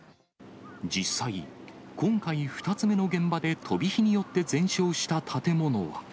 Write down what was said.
実際、今回２つ目の現場で飛び火によって全焼した建物は。